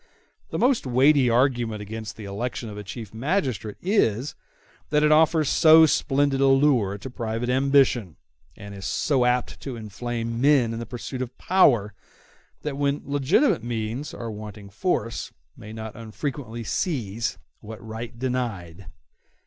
The most weighty argument against the election of a chief magistrate is, that it offers so splendid a lure to private ambition, and is so apt to inflame men in the pursuit of power, that when legitimate means are wanting force may not unfrequently seize what right denied.